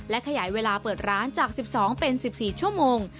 ขยายเวลาเปิดร้านจาก๑๒เป็น๑๔ชั่วโมง